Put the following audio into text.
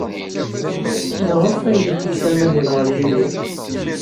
Maɣef ay yeḥbes amahil ɣer Yidir?